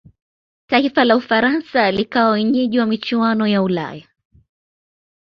taifa la ufaransa likawa wenyeji wa michuano ya ulaya